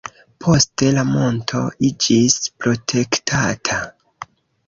Poste la monto iĝis protektata.